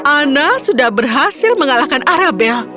ana sudah berhasil mengalahkan arabel